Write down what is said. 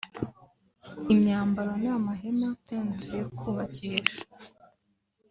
imyambaro n’amahema (tents) yo kubakisha